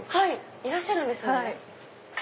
いらっしゃるんですね。